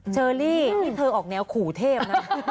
เชอรี่นี่เธอออกแนวขู่เทพนะ